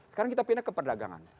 sekarang kita pindah ke perdagangan